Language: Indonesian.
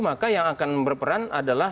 maka yang akan berperan adalah